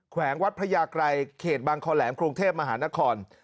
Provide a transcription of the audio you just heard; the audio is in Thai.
แวงวัดพระยากรัยเขตบางคอแหลมกรุงเทพมหานคร